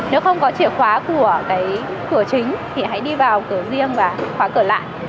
nếu không có chìa khóa của cái cửa chính thì hãy đi vào cửa riêng và khóa cửa lại